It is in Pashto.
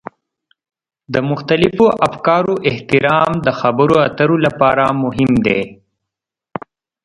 د مختلفو افکارو احترام د خبرو اترو لپاره مهم دی.